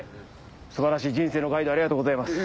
素晴らしい人生のガイドありがとうございます。